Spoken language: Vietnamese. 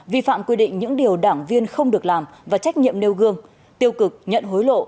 vi phạm quy định những điều đảng viên không được làm và trách nhiệm nêu gương tiêu cực nhận hối lộ